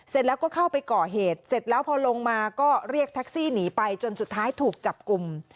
เสร็จแล้วก็เข้าไปก่อเหตุเสร็จแล้วพอลงมาก็เรียกแท็กซี่หนีไปจนสุดท้ายถูกจับกลุ่ม